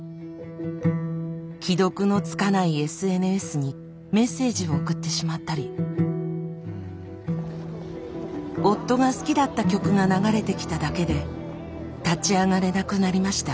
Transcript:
既読のつかないＳＮＳにメッセージを送ってしまったり夫が好きだった曲が流れてきただけで立ち上がれなくなりました。